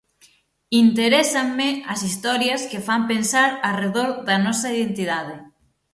Interésanme as historias que fan pensar arredor da nosa identidade.